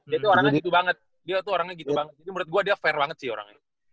dia tuh orangnya gitu banget dia tuh orangnya gitu banget jadi menurut gue dia fair banget sih orangnya